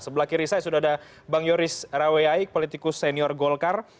sebelah kiri saya sudah ada bang yoris rawe aik politikus senior golkar